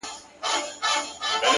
سیاه پوسي ده؛ رنگونه نسته؛